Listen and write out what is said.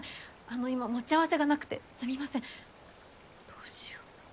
あの今持ち合わせがなくてすみませんどうしよう。